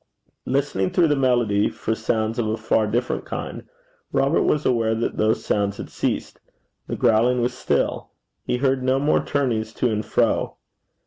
Listening through the melody for sounds of a far different kind, Robert was aware that those sounds had ceased; the growling was still; he heard no more turnings to and fro.